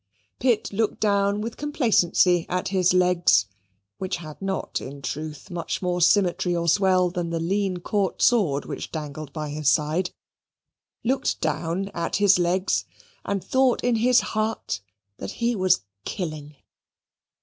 Pitt looked down with complacency at his legs, which had not, in truth, much more symmetry or swell than the lean Court sword which dangled by his side looked down at his legs, and thought in his heart that he was killing.